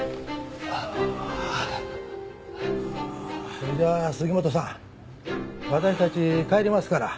それじゃあ杉本さん私たち帰りますから。